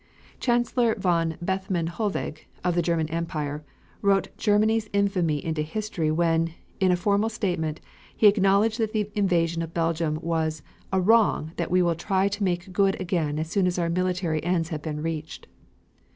Chancellor von Bethmann Hollweg, of the German Empire, wrote Germany's infamy into history when, in a formal statement, he acknowledged that the invasion of Belgium was "a wrong that we will try to make good again as soon as our military ends have been reached."